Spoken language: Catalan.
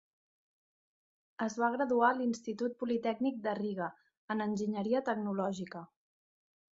Es va graduar a l'Institut Politècnic de Riga, en enginyeria tecnològica.